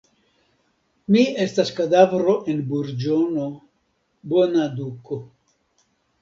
Mi estas kadavro en burĝono, bona duko.